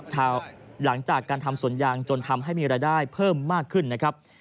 หลังจากการทำสวนยางจนทำให้มีรายได้เพิ่มมากขึ้นนะครับ